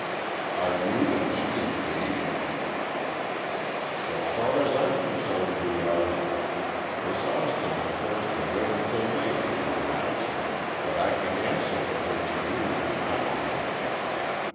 "Are you and she engaged?" "So far as I am concerned, we are. Miss Austin prefers to wait until later to announce it, but I can answer for her to you in confidence."